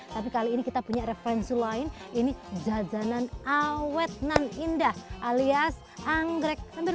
tapi kali ini kita punya referensi lain ini jajanan awet nan indah alias anggrek hampir